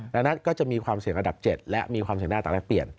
ดังนั้นก็จะมีความเสี่ยงอันดับ๗และมีความเสี่ยงหน้าต่างและเปลี่ยน